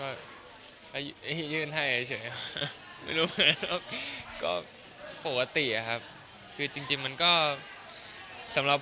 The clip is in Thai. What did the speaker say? นั่งใจมอบประกัสใบอันนี้ให้กับคุณแม่ยังไงบ้าง